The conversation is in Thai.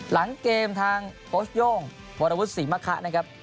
หลังเกมทางโพสต์โย่งพอราวุธสีมะคะนะครับ